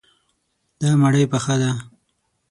دا مړی پخه دی.